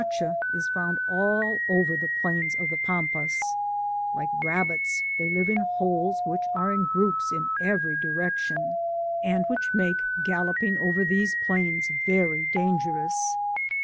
The biflcadio i» found all over the plidns of the PampsSk Like rabbits, th^ live in holes which are in groups in every directitHi, and which make gallq)ing over these pluns very dangerous.